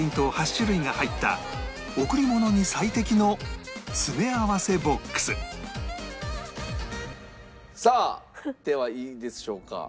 ８種類が入った贈り物に最適の詰め合わせボックスさあではいいでしょうか。